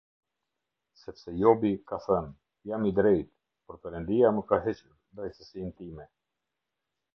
Sepse Jobi ka thënë: "Jam i drejtë, por Perëndia më ka hequr drejtësinë time.